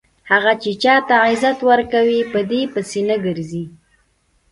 هغه چې چاته عزت ورکوي په دې پسې نه ګرځي.